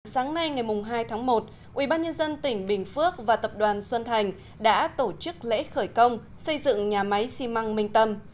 sáng nay ngày hai tháng một ubnd tỉnh bình phước và tập đoàn xuân thành đã tổ chức lễ khởi công xây dựng nhà máy xi măng minh tâm